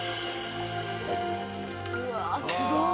「うわあすごい！」